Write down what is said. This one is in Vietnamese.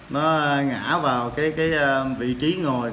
nó ngã vào vị trí ngồi